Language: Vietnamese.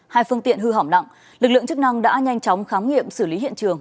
hai phương tiện hư hỏng nặng lực lượng chức năng đã nhanh chóng khám nghiệm xử lý hiện trường